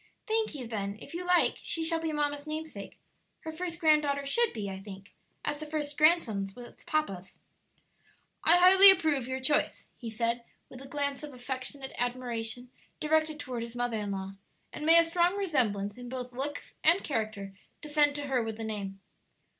"Thank you; then, if you like, she shall be mamma's namesake; her first granddaughter should be, I think, as the first grandson was papa's." "I highly approve your choice," he said, with a glance of affectionate admiration directed toward his mother in law; "and may a strong resemblance in both looks and character descend to her with the name."